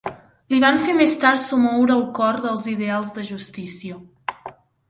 Li van fer més tard somoure el cor els ideals de justícia